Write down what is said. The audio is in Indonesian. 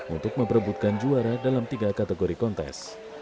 untuk memperebutkan juara dalam tiga kategori kontes